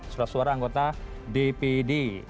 surat suara anggota dpd